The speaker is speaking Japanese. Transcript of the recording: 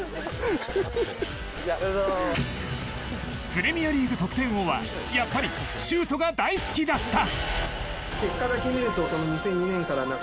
プレミアリーグ得点王はやっぱりシュートが大好きだった。